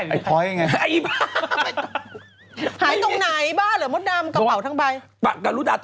ไอ้ไพ้ไง